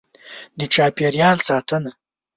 . د چاپېریال ساتنه: